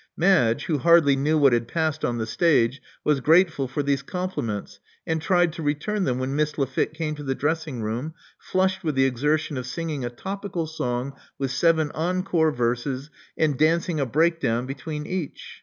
Madge, who hardly knew what had passed on the stage, was grateful for these compliments, and tried to return them when Miss Lafitte came to the dressing room, flushed with the exertion of singing a topical song with seven encore verses, and dancing a break down between each.